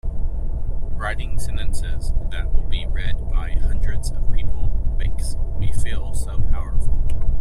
Writing sentences that will be read by hundreds of people makes me feel so powerful!